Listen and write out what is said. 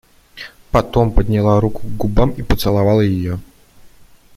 Потом подняла руку к губам и поцеловала ее.